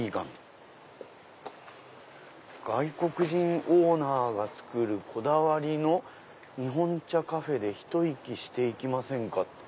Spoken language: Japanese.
「外国人オーナーが作るこだわりの日本茶カフェでひと息して行きませんか」。